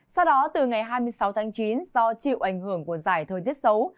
sau đó từ ngày hai mươi sáu tháng chín do chịu ảnh hưởng của giải thời tiết xấu